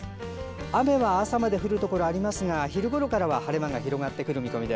明日は朝まで雨の降るところがありますが昼ごろから晴れ間が広がってくるでしょう。